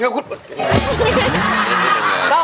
ขาหนูหนีบไว้